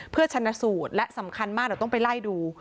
เพื่อชนะสูตรและสำคัญมากเดี๋ยวต้องไปไล่ดู